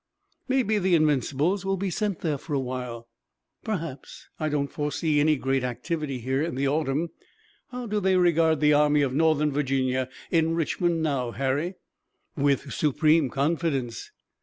"Maybe the Invincibles will be sent there for a while." "Perhaps. I don't foresee any great activity here in the autumn. How do they regard the Army of Northern Virginia in Richmond now, Harry?" "With supreme confidence."